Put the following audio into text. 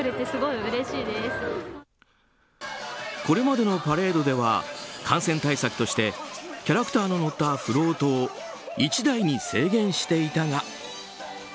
これまでのパレードでは感染対策としてキャラクターが乗ったフロートを１台に制限していたが。